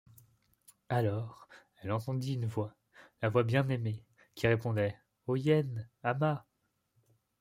Alors elle entendit une voix, la voix bien-aimée, qui répondait: O yen! ama !